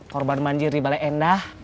korban banjir di balai endah